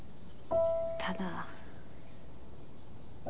ただ。